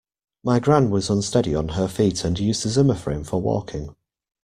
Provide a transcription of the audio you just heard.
My gran was unsteady on her feet and used a Zimmer frame for walking